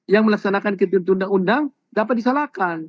yang melaksanakan ketentuan undang undang dapat disalahkan